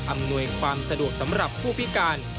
อำนวยความสะดวกสำหรับผู้พิการ